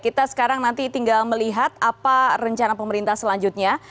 kita sekarang nanti tinggal melihat apa rencana pemerintah selanjutnya